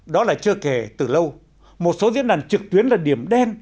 đó là chưa kể từ lâu một số diễn đàn trực tuyến là điểm đen